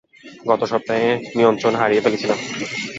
গত সপ্তাহে নিয়ন্ত্রণ হারিয়ে ফেলেছিলাম।